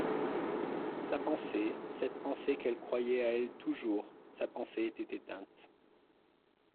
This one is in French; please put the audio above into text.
Sa pensée, cette pensée qu'elle croyait à elle toujours, sa pensée était éteinte.